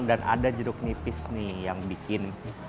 dan ada jeruk nipis nih yang bikin